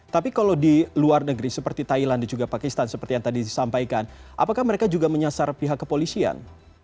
tapi kalau di luar negeri seperti thailand dan juga pakistan seperti yang tadi disampaikan apakah mereka juga menyasar pihak kepolisian